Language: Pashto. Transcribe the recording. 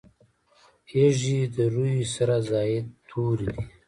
یږي د روي سره زاید توري دي.